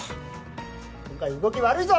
今回動き悪いぞ！